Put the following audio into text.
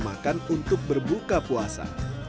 makan untuk berbuka puasa